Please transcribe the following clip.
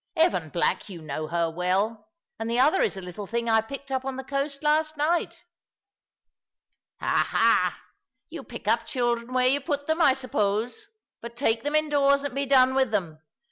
"Evan black, you know her well. And the other is a little thing I picked up on the coast last night." "Ha, ha! you pick up children where you put them, I suppose. But take them indoors and be done with them.